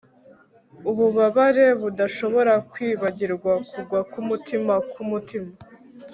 ububabare budashobora kwibagirwa kugwa ku mutima ku mutima